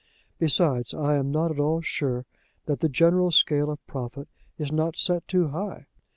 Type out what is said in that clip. Besides, I am not at all sure that the general scale of profit is not set too high.